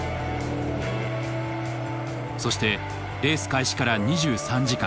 そしてレース開始から２３時間。